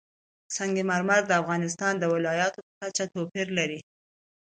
سنگ مرمر د افغانستان د ولایاتو په کچه توپیر لري.